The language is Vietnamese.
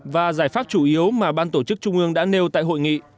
và giải pháp chủ yếu mà ban tổ chức trung ương đã nêu tại hội nghị